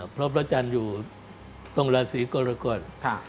เพราะพระจันทร์อยู่ตรงราศีกรกฎ